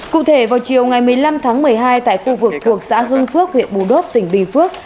cụ thể vào chiều ngày một mươi năm tháng một mươi hai tại khu vực thuộc xã hưng phước huyện bù đốp tỉnh bình phước